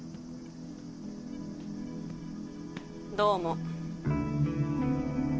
どうも。